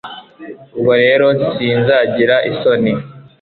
ubwo rero sinzagira isoni